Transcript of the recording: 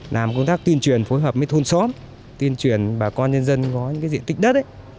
làm công tác tuyên truyền phối hợp với thôn xóm tuyên truyền bà con nhân dân có những cái diện tích đất ấy